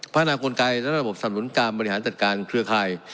นากลไกและระบบสำนุนการบริหารจัดการเครือข่าย